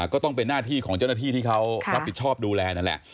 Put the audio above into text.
ก็ต้องเป็นหน้าที่ของเจ้าหน้าที่ที่เขารับผิดชอบดูแลนั่นแหละ